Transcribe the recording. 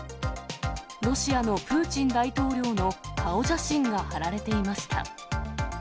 ロシアのプーチン大統領の顔写真が貼られていました。